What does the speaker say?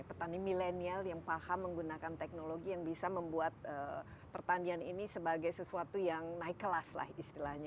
petani milenial yang paham menggunakan teknologi yang bisa membuat pertanian ini sebagai sesuatu yang naik kelas lah istilahnya